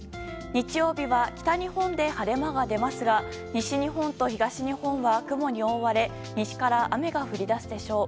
日曜日は北日本で晴れ間が出ますが西日本と東日本は雲に覆われ西から雨が降り出すでしょう。